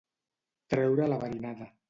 Treure la verinada.